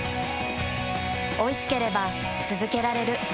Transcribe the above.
おいしければつづけられる。